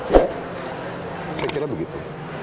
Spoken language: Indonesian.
ya saya kira begitu